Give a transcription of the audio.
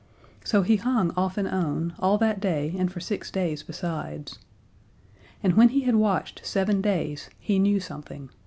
So he hung off and on, all that day and for six days besides. And when he had watched seven days he knew something.